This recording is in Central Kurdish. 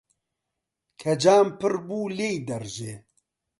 کە جام پڕ بوو، لێی دەڕژێ.